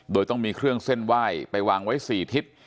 โดยต้องมีเครื่องเส้นไหว้ไปวางไว้๔ทิศ